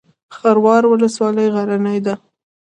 خروار ولسوالۍ غرنۍ ده؟